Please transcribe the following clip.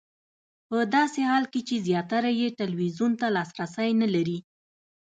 په داسې حال کې چې زیاتره یې ټلویزیون ته لاسرسی نه لري.